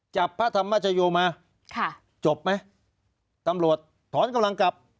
พระธรรมชโยมาค่ะจบไหมตำรวจถอนกำลังกลับ